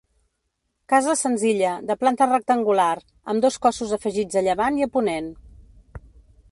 Casa senzilla, de planta rectangular, amb dos cossos afegits a llevant i a ponent.